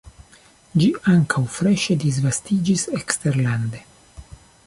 Ĝi ankaŭ freŝe disvastiĝis eksterlande.